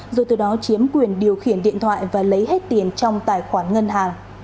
rồi từ đó chiếm quyền điều khiển điện thoại và lấy hết tiền trong tài khoản ngân hàng